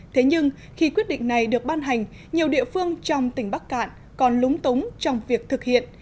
thế nhưng khi quyết định này được ban hành nhiều địa phương trong tỉnh bắc cạn còn lúng túng trong việc thực hiện